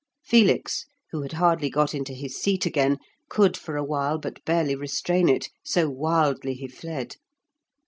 Felix, who had hardly got into his seat again, could for awhile but barely restrain it, so wildly he fled.